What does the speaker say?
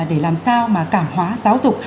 để làm sao mà cảm hóa giáo dục